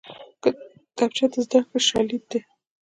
کتابچه د زدکړې شاليد دی